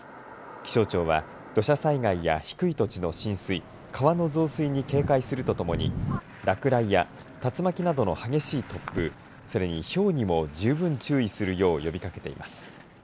気象庁は土砂災害や低い土地の浸水川の増水に警戒するとともに落雷や竜巻などの激しい突風それに、ひょうにも十分注意するよう呼びかけています。